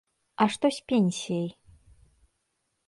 А што з пенсіяй?